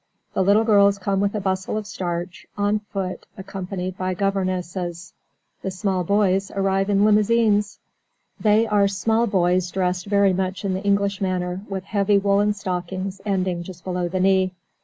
The little girls come with a bustle of starch, on foot, accompanied by governesses; the small boys arrive in limousines. They are small boys dressed very much in the English manner, with heavy woollen stockings ending just below the knee.